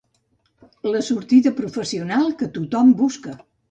La sortida professional que tothom busca.